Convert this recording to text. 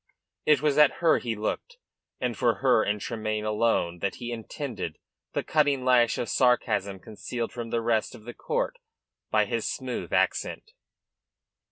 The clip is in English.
It was at her he looked, and for her and Tremayne alone that he intended the cutting lash of sarcasm concealed from the rest of the court by his smooth accent.